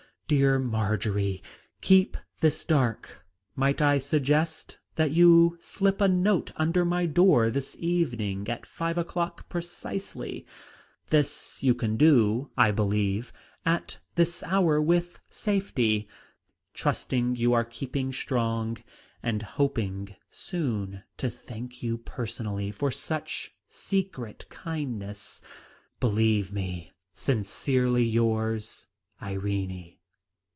Dear Marjory, keep this dark. Might I suggest that you slip a note under my door this evening at five o'clock precisely. This you can do I believe at this hour with safety. Trusting you are keeping strong, and hoping soon to thank you personally for such secret kindness, "Believe me, "Sincerely yours, "IRENE.